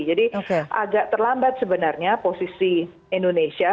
jadi agak terlambat sebenarnya posisi indonesia